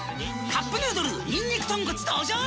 「カップヌードルにんにく豚骨」登場！